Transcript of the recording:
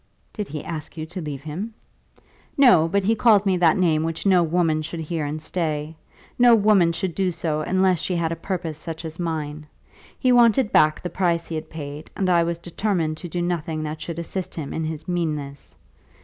"Did he ask you to leave him?" "No; but he called me that name which no woman should hear and stay. No woman should do so unless she had a purpose such as mine. He wanted back the price that he had paid, and I was determined to do nothing that should assist him in his meanness!